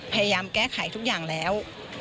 พยายามแก้ไขทุกอย่างแล้ว